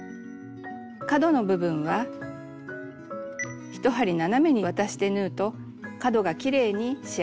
角の部分は１針斜めに渡して縫うと角がきれいに仕上がります。